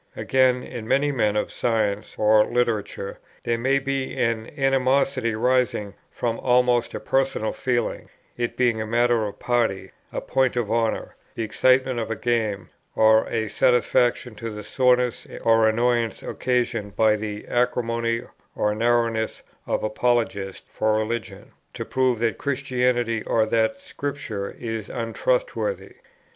Again, in many men of science or literature there may be an animosity arising from almost a personal feeling; it being a matter of party, a point of honour, the excitement of a game, or a satisfaction to the soreness or annoyance occasioned by the acrimony or narrowness of apologists for religion, to prove that Christianity or that Scripture is untrustworthy.